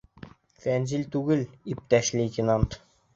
— Фәнзил түгел, иптәш лейтенант.